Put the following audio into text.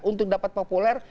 untuk dapat populer